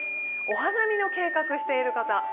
お花見の計画している方